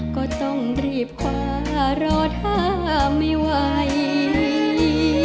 ก็ต้องรีบคว้ารอถ้าไม่ไหว